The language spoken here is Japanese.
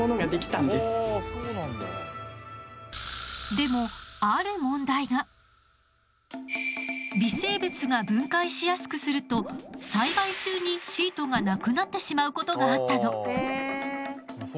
でも微生物が分解しやすくすると栽培中にシートがなくなってしまうことがあったの。